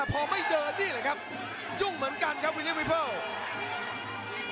พอไม่เดินนี่แหละครับจุ้งเหมือนกันครับวินิวิเพิล